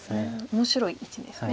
面白い位置ですね。